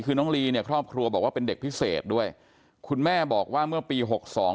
คือน้องลีเนี่ยครอบครัวบอกว่าเป็นเด็กพิเศษด้วยคุณแม่บอกว่าเมื่อปีหกสอง